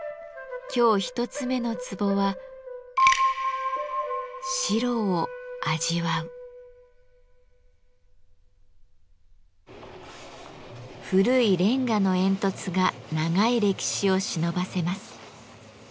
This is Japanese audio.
今日一つ目のツボは古いレンガの煙突が長い歴史をしのばせます。